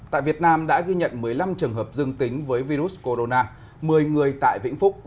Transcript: tại việt nam đã ghi nhận một mươi năm trường hợp dương tính với virus corona một mươi người tại vĩnh phúc